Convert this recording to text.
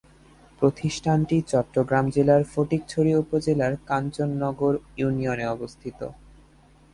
প্রতিষ্ঠানটি চট্টগ্রাম জেলার ফটিকছড়ি উপজেলার কাঞ্চননগর ইউনিয়নে অবস্থিত।